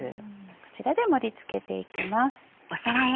こちらで盛り付けていきます。